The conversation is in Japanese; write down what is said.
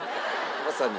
まさに。